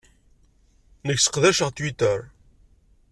Nekk sseqdaceɣ Twitter.